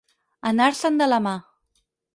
Anar-se'n de la mà.